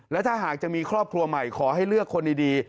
และถ้าหากจะมีครอบครัวใหม่ขอให้เลือกคนดี